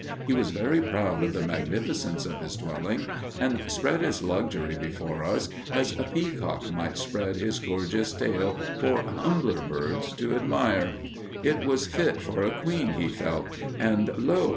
He was very proud of the magnificence of his dwelling, and spread its luxury before us as a peacock might spread his gorgeous tail for humbler birds to admire. It was fit for a queen he felt, and lo!